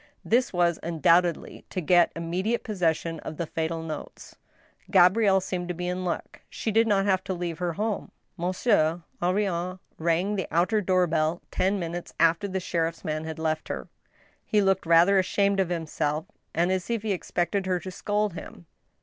This was undoubtedly, to get immediate possession of the fatal notes. Gabrielle seemed to be in luck. She did not have to leave her home. Monsieur Henrion rang the outer door bell ten minutes after the sheriff's man had left her. He looked rather ashamed of himself, and as if he expected her to scold him.